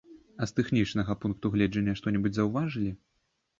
А з тэхнічнага пункту гледжання што-небудзь заўважылі?